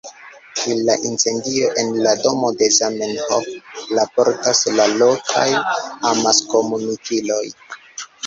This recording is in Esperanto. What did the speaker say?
Pri la incendio en la domo de Zamenhof raportas la lokaj amaskomunikiloj.